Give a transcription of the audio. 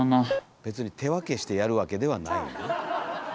別に手分けしてやるわけではないねんね。